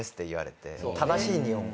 正しい日本語を。